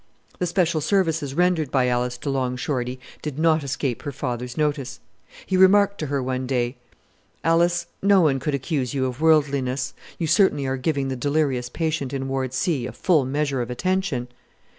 The special services rendered by Alice to Long Shorty did not escape her father's notice. He remarked to her one day, "Alice, no one could accuse you of worldliness; you certainly are giving the delirious patient in ward 'C' a full measure of attention!"